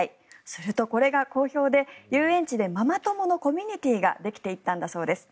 すると、これが好評で遊園地でママ友のコミュニティーができていったんだそうです。